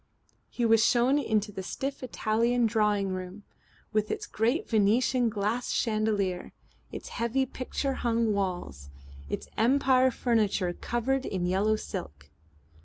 He was shown into the stiff Italian drawing room, with its great Venetian glass chandelier, its heavy picture hung walls, its Empire furniture covered in yellow silk.